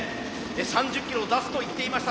３０キロを出すと言っていました。